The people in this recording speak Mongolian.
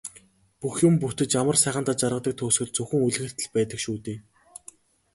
Бүх юм бүтэж амар сайхандаа жаргадаг төгсгөл зөвхөн үлгэрт л байдаг шүү дээ.